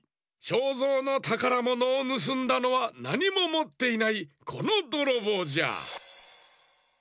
ショーゾーのたからものをぬすんだのはなにももっていないこのどろぼうじゃ。